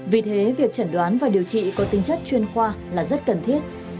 vì thế việc chẩn đoán và điều trị có tính chất chuyên khoa là rất cần thiết